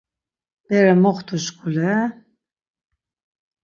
Bere moxtu-şkule…